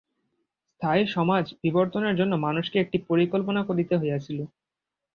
স্থায়ী সমাজ-বিবর্তনের জন্য মানুষকে একটি পরিকল্পনা করিতে হইয়াছিল।